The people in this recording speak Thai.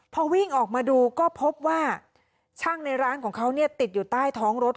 พอวิ่งออกมาดูก็พบว่าช่างในร้านของเขาเนี่ยติดอยู่ใต้ท้องรถ